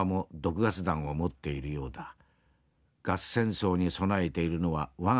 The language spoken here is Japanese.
ガス戦争に備えているのは我が国だけではない。